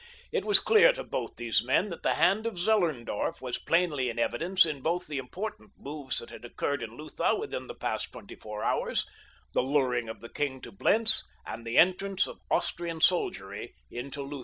It was clear to both these men that the hand of Zellerndorf was plainly in evidence in both the important moves that had occurred in Lutha within the past twenty four hours—the luring of the king to Blentz and the entrance of Austrian soldiery into Lutha.